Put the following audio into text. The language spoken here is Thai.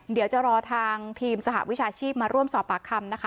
เดี๋ยวจะรอทางทีมสหวิชาชีพมาร่วมสอบปากคำนะคะ